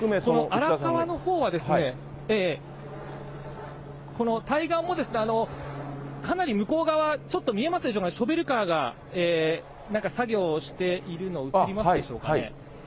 荒川のほうは、この対岸も、かなり向こう側、ちょっと見えますでしょうか、ショベルカーがなんか作業をしているの、映りますでしょうかね。